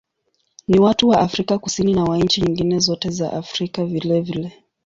Ni wa watu wa Afrika Kusini na wa nchi nyingine zote za Afrika vilevile.